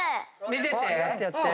見せて。